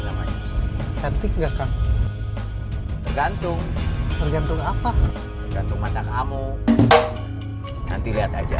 namanya cantik enggak kang tergantung tergantung apa tergantung mata kamu nanti lihat aja